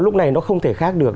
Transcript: lúc này nó không thể khác được